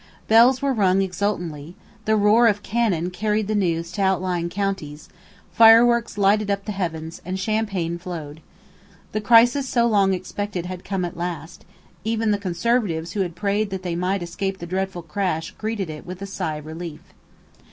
Bells were rung exultantly, the roar of cannon carried the news to outlying counties, fireworks lighted up the heavens, and champagne flowed. The crisis so long expected had come at last; even the conservatives who had prayed that they might escape the dreadful crash greeted it with a sigh of relief.